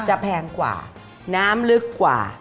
แพงกว่าน้ำลึกกว่า